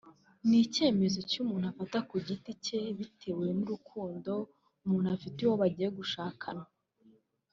ni icyemezo cy’umuntu afata ku giti cye bitewe n’urukundo umuntu afitiye uwo bagiye gushakana